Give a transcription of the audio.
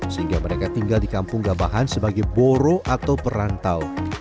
sehingga mereka tinggal di kampung gabahan sebagai boro atau perantau